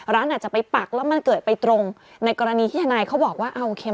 ร้านอาจจะไปปักแล้วมันเกิดไปตรงในกรณีที่ทนายเขาบอกว่าโอเค